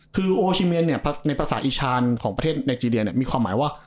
คือโอชิเมียนเนี่ยในภาษาอิชาญของประเทศไนเจรียมีความหมายว่า